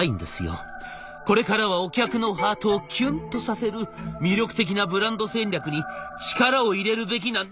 これからはお客のハートをキュン！とさせる魅力的なブランド戦略に力を入れるべきなんです！」。